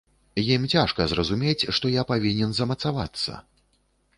Ім цяжка зразумець, што я павінен замацавацца.